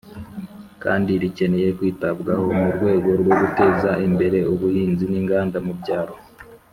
kandi rikeneye kwitabwaho mu rwego rwo guteza imbere ubuhinzi n'inganda mu byaro.